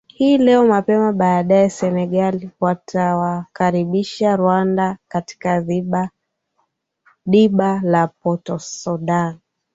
hii leo mapema baadaye senegal watawakaribisha rwanda katika dimba la port sudan